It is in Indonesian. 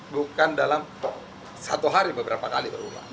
bukan dalam satu hari beberapa kali terulang